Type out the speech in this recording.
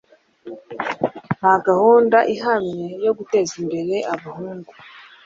nta gahunda ihamye yo guteza imbere ubukungu